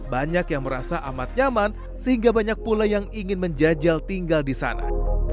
banyak yang merasa amat nyaman sehingga banyak pula yang ingin menjajal tinggal di sana